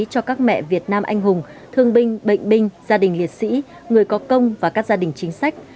cho các mẹ việt nam anh hùng thương binh bệnh binh gia đình liệt sĩ người có công và các gia đình chính sách